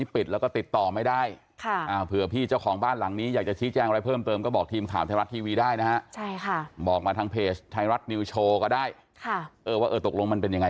เป็นเรื่องของนิติให้นิตินาให้ทางหมู่บ้านมันควรจัดการเอง